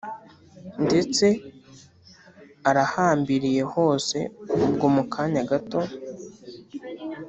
ndetse arahambiriye hose ubwo mukanya gato